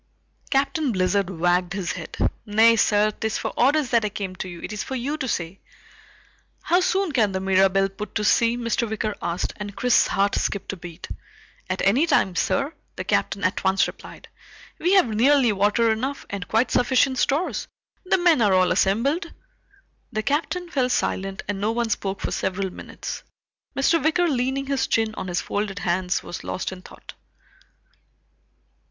Captain Blizzard wagged his head. "Nay sir, 'tis for orders that I came to you. It is for you to say." "How soon can the Mirabelle put to sea?" Mr. Wicker asked, and Chris's heart skipped a beat. "At any time, sir," the Captain at once replied. "We have nearly water enough, and quite sufficient stores. The men are all assembled." The Captain fell silent and no one spoke for several minutes. Mr. Wicker leaning his chin on his folded hands was lost in thought.